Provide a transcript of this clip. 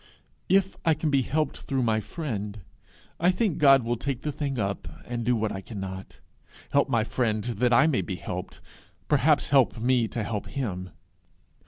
If I can be helped through my friend, I think God will take the thing up, and do what I cannot do help my friend that I may be helped perhaps help me to help him.